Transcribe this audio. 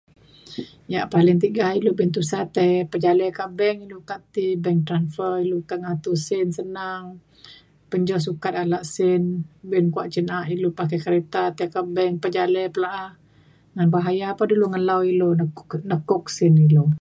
yak paling tiga ilu be’un tusa tai pejalei kak bank ilu ukat ti bank transfer ilu kak ngatu sin senang. pejo sukat ala sin be’un kuak cin na’a ilu pakai kereta tai kak bank pejalei pa la’a ngan bahaya pa dulu ngelau ilu ne- nekup sin ilu